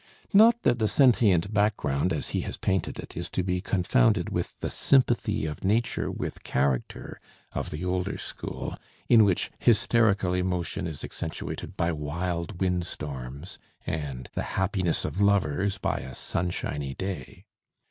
Not that the sentient background, as he has painted it, is to be confounded with the "sympathy of nature with character" of the older school, in which hysterical emotion is accentuated by wild wind storms, and the happiness of lovers by a sunshiny day.